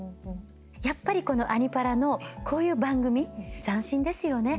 やっぱり「アニ×パラ」のこういう番組、斬新ですよね。